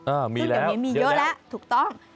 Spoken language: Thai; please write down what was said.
อ้าวมีแล้วมีเยอะแล้วถูกต้อง